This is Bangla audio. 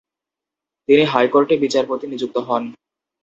তিনি হাইকোর্টে বিচারপতি নিযুক্ত হন।